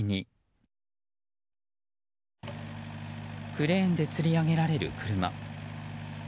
クレーンでつり上げられる車。